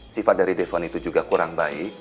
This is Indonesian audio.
sifat dari defon itu juga kurang baik